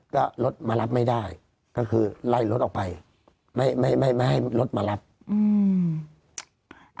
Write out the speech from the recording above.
ก็รถมารับไม่ได้ก็คือไล่รถออกไปไม่ไม่ไม่ให้รถมารับอืม